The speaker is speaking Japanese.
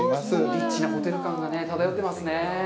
リッチなホテル感が漂ってますね。